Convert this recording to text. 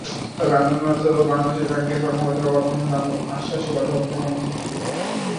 তবে আন্দোলনরত বাংলাদেশ ব্যাংকের কর্মকর্তারা গভর্নরের আশ্বাসে গতকাল থেকে কর্মসূচি স্থগিত রেখেছেন।